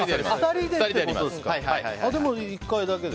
でも、１回だけで。